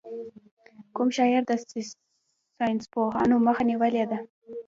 کوم شاعر د ساینسپوهانو مخه نېولې ده.